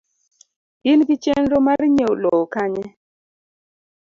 In gi chenro mar nyieo lowo Kanye?